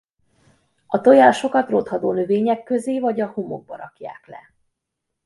A tojásokat rothadó növények közé vagy a homokba rakják le.